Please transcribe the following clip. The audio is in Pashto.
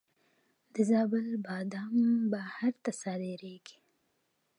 د زابل بادام بهر ته صادریږي.